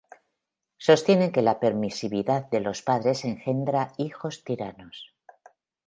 Sostiene que la permisividad de los padres engendra hijos tiranos.